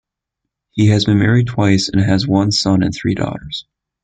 He has been married twice, and has one son and three daughters.